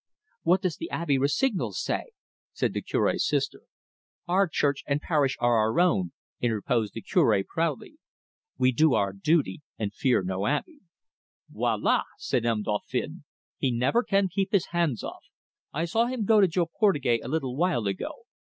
"What does the Abbe Rossignol say?" said the Cure's sister. "Our church and parish are our own," interposed the Cure proudly. "We do our duty and fear no abbe." "Voila!" said M. Dauphin, "he never can keep hands off. I saw him go to Jo Portugais a little while ago.